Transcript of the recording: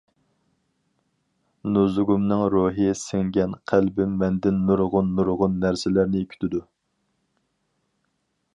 نۇزۇگۇمنىڭ روھى سىڭگەن قەلبىم مەندىن نۇرغۇن-نۇرغۇن نەرسىلەرنى كۈتىدۇ.